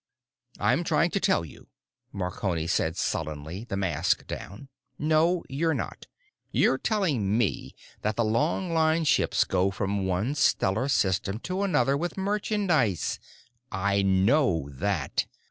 "I'm trying to tell you," Marconi said sullenly, the mask down. "No, you're not. You're telling me that the longline ships go from one stellar system to another with merchandise. I know that."